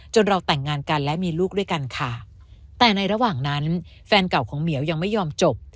เราแต่งงานกันและมีลูกด้วยกันค่ะแต่ในระหว่างนั้นแฟนเก่าของเหมียวยังไม่ยอมจบ